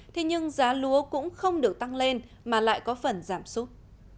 thế nhưng giá lúa cũng không được tăng lên mà lại có phần giảm sút